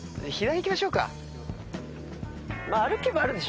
左行きましょうか。